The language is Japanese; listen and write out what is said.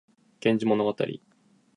源氏物語